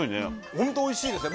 ホントおいしいですね